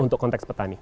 untuk konteks petani